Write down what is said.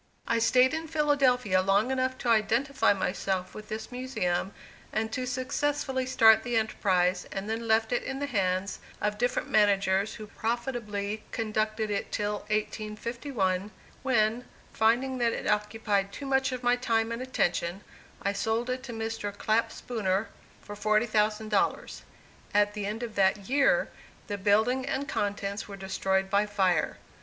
I stayed in Philadelphia long enough to identify myself with this Museum and to successfully start the enterprise and then left it in the hands of different managers who profitably conducted it till 1851, when, finding that it occupied too much of my time and attention, I sold it to Mr. Clapp Spooner for $40,000. At the end of that year, the building and contents were destroyed by fire.